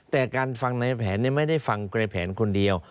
แต่การฟังในแผนไม่ได้ฟังเกรแผนคนเดียว